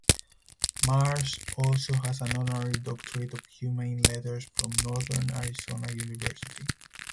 Marsh also has an honorary Doctorate of Humane Letters from Northern Arizona University.